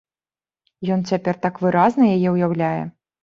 Ён цяпер так выразна яе ўяўляе.